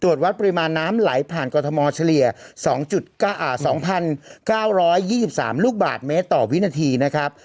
วัดปริมาณน้ำไหลผ่านกรทมเฉลี่ย๒๙๒๓ลูกบาทเมตรต่อวินาทีนะครับ